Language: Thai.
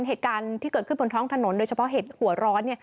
เหตุการณ์ที่เกิดขึ้นบนท้องถนนโดยเฉพาะเหตุหัวร้อน